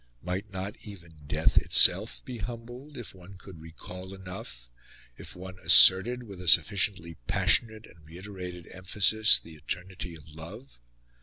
Might not even death itself be humbled, if one could recall enough if one asserted, with a sufficiently passionate and reiterated emphasis, the eternity of love?